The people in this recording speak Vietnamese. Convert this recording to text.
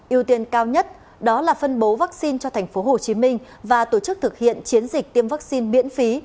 yêu tiên cao nhất đó là phân bố vaccine cho tp hcm và tổ chức thực hiện chiến dịch tiêm vaccine miễn phí